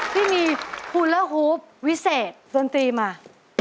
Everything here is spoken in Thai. พี่มีฮูลเลอร์ฮูฟวิเศษธรรมตีมา